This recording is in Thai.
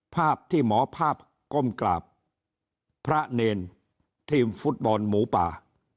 ภาพที่หมอภาพก้มกราบพระเนรทีมฟุตบอลหมูป่า